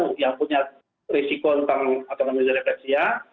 kalau ada yang punya risiko tentang autonomik disrefleksia